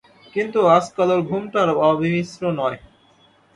কিন্তু আজকাল ওর ঘুমটা আর অবিমিশ্র নয়।